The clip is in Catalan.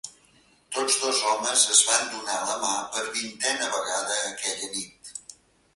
Tots dos homes es van donar la mà per vintena vegada aquella nit.